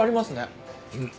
うん。